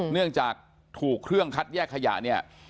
เนื่องจากถูกเครื่องคัดแยกขยะเนี่ย